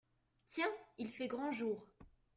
Tiens, il fait grand jour !…